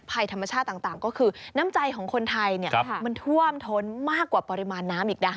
ภัยธรรมชาติต่างก็คือน้ำใจของคนไทยมันท่วมท้นมากกว่าปริมาณน้ำอีกนะ